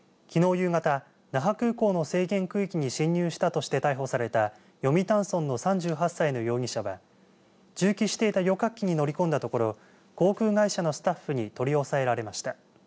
夕方那覇空港の制限区域に侵入したとして逮捕された読谷村の３８歳の容疑者は駐機していた旅客機に乗り込んだところ航空会社のスタッフに取り押さえられました。